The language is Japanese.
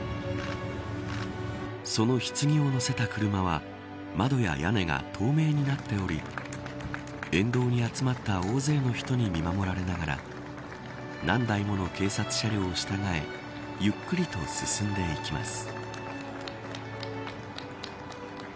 そのひつぎを乗せた車は窓や屋根が透明になっており沿道に集まった大勢の人に見守られながら何台もの警察車両を従えゆっくりと進んでいきます。